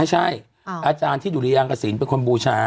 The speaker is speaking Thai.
อาจารย์ที่ดุริยางกระสินเป็นคนบูชา